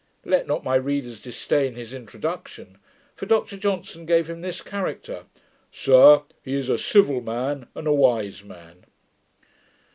Let not my readers disdain his introduction! For Dr Johnson gave him this character: 'Sir, he is a civil man, and a wise man.'